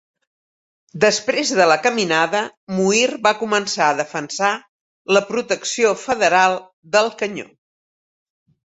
Després de la caminada, Muir va començar a defensar la protecció federal del canyó.